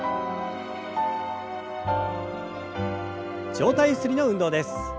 上体ゆすりの運動です。